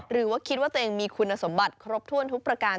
หรือว่าคิดว่าตัวเองมีคุณสมบัติครบถ้วนทุกประการ